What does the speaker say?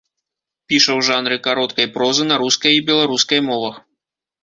Піша ў жанры кароткай прозы на рускай і беларускай мовах.